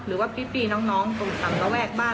หรือว่าป๊ิบบีน้องต้องตำเนาะแวกบ้าน